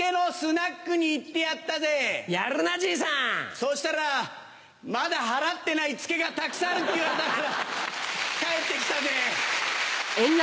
そしたらまだ払ってないツケがたくさんあるって言われたから帰って来たぜ。